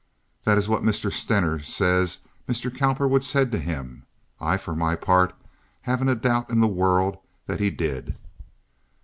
That is what Mr. Stener says Mr. Cowperwood said to him. I, for my part, haven't a doubt in the world that he did.